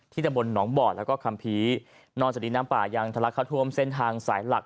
ที่จะบนหนองบอดและก็คำผีนอนจะดีน้ำป่ายังทะลักข้าวทวมเส้นทางสายหลัก